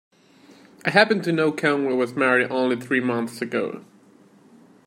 I happen to know Conway was married only three months ago.